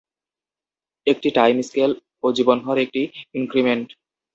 একটি time scale ও জীবনভর একটি ইনক্রিমেন্ট।